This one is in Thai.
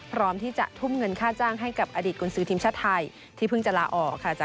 พร้อมที่จะทุ่มเงินค่าจ้างให้กับอดีตกุญสือทีมชาติไทยที่เพิ่งจะลาออกค่ะ